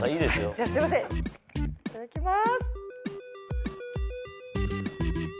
じゃすいませんいただきます！